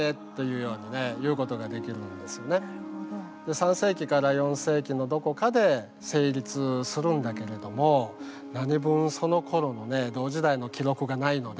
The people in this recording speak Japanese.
３世紀から４世紀のどこかで成立するんだけれども何分そのころの同時代の記録がないので。